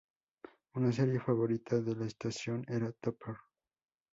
Una serie favorita de la estación era "Topper".